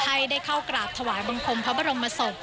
ให้ได้เข้ากราบถวายบังคมพระบรมศพ